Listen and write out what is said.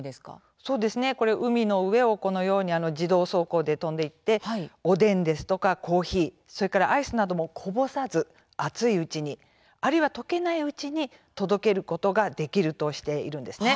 そうですね、これ海の上をこのように自動走行で飛んで行って、おでんですとかコーヒー、それからアイスなどもこぼさず、熱いうちに、あるいは溶けないうちに届けることができるとしているんですね。